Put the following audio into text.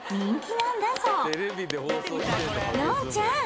のんちゃん！